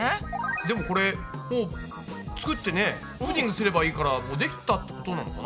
でもこれもう作ってねプディングすればいいからできたってことなのかな？